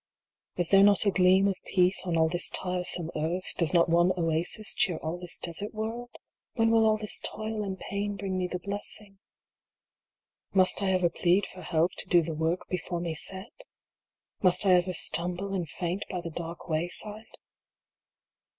Is there not a gleam of Peace on all this tiresome earth r Does not one oasis cheer all this desert world ? When will all this toil and pain bring me the blessing ? Must I ever plead for help to do the work before me set? Must I ever stumble and faint by the dark wayside?